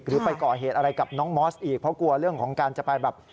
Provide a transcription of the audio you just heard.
หรือไปก่อเหตุอะไรกับน้องมอสอีกเพราะกลัวเรื่องของการจะไปแบบ